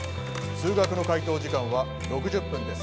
・数学の解答時間は６０分です